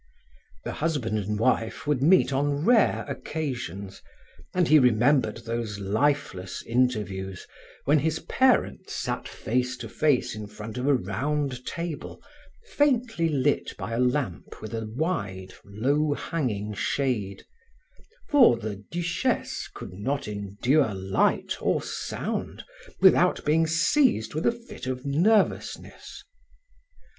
The husband and wife would meet on rare occasions, and he remembered those lifeless interviews when his parents sat face to face in front of a round table faintly lit by a lamp with a wide, low hanging shade, for the duchesse could not endure light or sound without being seized with a fit of nervousness.